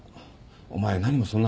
お前何もそんな。